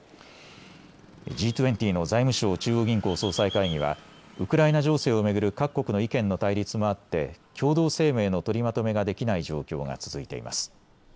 Ｇ２０の財務相・中央銀行総裁会議はウクライナ情勢を巡る各国の意見の対立もあって共同声明の取りまとめができない状況が続いています。